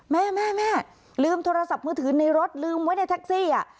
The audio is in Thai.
แม่แม่ลืมโทรศัพท์มือถือในรถลืมไว้ในแท็กซี่